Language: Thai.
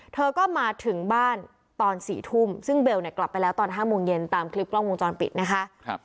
เธอก็มาถึงบ้านตอน๔ทุ่มซึ่งเบลเนี่ยกลับไปแล้วตอน๕โมงเย็นตามคลิปกล้องวงจรปิดนะคะ